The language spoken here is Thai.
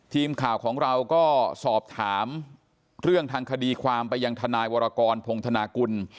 ทีมข่าวของเราก็สอบถามเรื่องทางคดีความไปยังทนายวรกรพงธนากุล